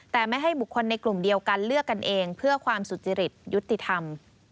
แต่ไม่ให้บุคคลในกลุ่มเดียวกันเลือกกันเองเพื่อความสุจริตยุติธรรม